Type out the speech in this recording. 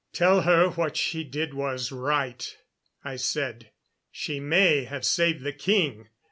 "Tell her what she did was right," I said. "She may have saved the king.